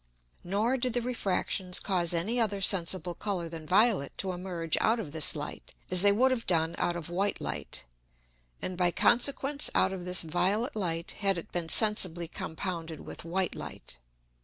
Nor did the Refractions cause any other sensible Colour than violet to emerge out of this Light, as they would have done out of white Light, and by consequence out of this violet Light had it been sensibly compounded with white Light.